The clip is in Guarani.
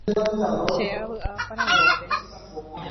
Che avy'a Paraguáipe.